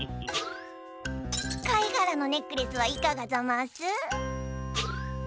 かいがらのネックレスはいかがざます？